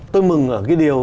tôi mừng ở cái điều